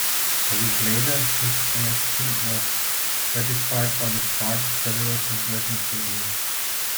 A week later, his election was ratified by the party's federal congress in Turin.